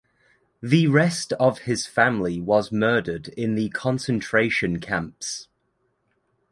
The rest of his family was murdered in the concentration camps.